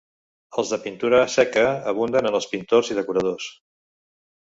Els de pintura seca abunden en els pintors i decoradors.